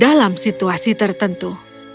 dalam situasi tertentu